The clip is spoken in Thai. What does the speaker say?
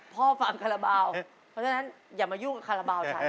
ฟังคาราบาลเพราะฉะนั้นอย่ามายุ่งกับคาราบาลฉัน